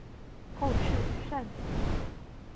后翅扇形。